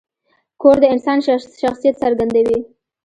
کور د انسان شخصیت څرګندوي.